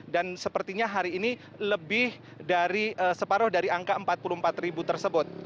dan sepertinya hari ini lebih dari separuh dari angka empat puluh empat ribu tersebut